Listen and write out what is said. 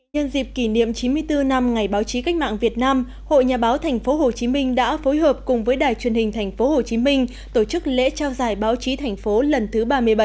nhân dịp kỷ niệm chín mươi bốn năm ngày báo chí cách mạng việt nam hội nhà báo tp hcm đã phối hợp cùng với đài truyền hình tp hcm tổ chức lễ trao giải báo chí thành phố lần thứ ba mươi bảy